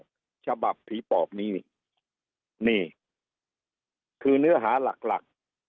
ฉบับฉบับผีปอบนี้นี่คือเนื้อหาหลักหลัก